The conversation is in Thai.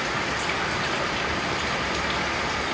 พร้อมทุกสิทธิ์